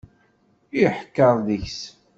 Iḥekker deg-s.